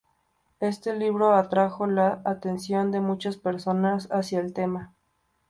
Este libro atrajo la atención de muchas personas hacia el tema.